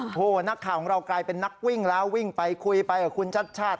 โอ้โหนักข่าวของเรากลายเป็นนักวิ่งแล้ววิ่งไปคุยไปกับคุณชัดชาติ